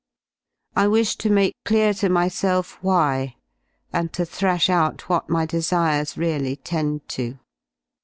I wish to make clear to myself why, \^ and to thrash out what my desires really tend to.